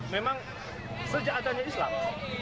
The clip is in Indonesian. memang sejak adanya islam